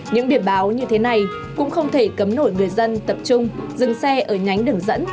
những biển báo như thế này cũng không thể cấm nổi người dân tập trung dừng xe ở nhánh đường dẫn